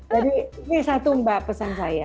jadi ini satu mbak pesan saya